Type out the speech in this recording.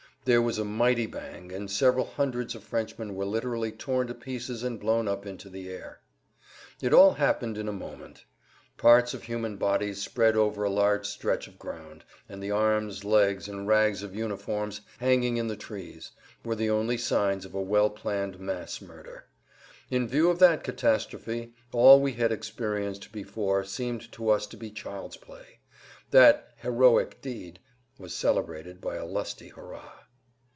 There was a mighty bang, and several hundreds of Frenchmen were literally torn to pieces and blown up into the air. It all happened in a moment. Parts of human bodies spread over a large stretch of ground, and the arms, legs, and rags of uniforms hanging in the trees, were the only signs of a well planned mass [Pg 151]murder. In view of that catastrophe all we had experienced before seemed to us to be child's play. That "heroic deed" was celebrated by a lusty hurrah.